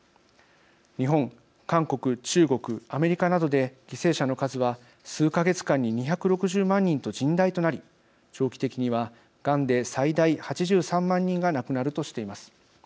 日本、韓国、中国アメリカなどで、犠牲者の数は数か月間に２６０万人と甚大となり長期的には、がんで最大８３万人が亡くなるとしています。